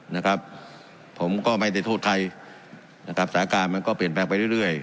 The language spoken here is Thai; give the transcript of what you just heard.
นะครับผมก็ไม่ได้โทษใครนะครับสถานการณ์มันก็เปลี่ยนแปลงไปเรื่อยเรื่อย